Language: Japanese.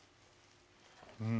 うん。